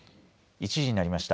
１時になりました。